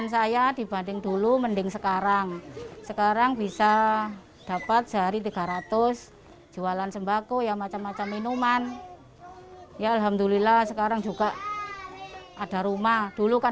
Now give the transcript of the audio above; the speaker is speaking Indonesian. saya semakin semangat saya berjalan